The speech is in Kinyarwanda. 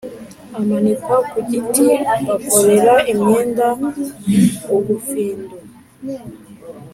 Amanikwa kugiti bakorera imyenda ubufindu